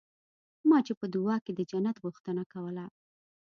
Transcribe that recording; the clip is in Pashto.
ما چې په دعا کښې د جنت غوښتنه کوله.